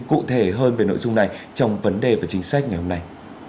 cụ thể hơn về nội dung này trong vấn đề và chính sách ngày hôm nay